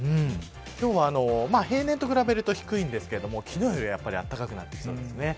平年と比べると低いんですけれども昨日よりは暖かくなってきそうですね。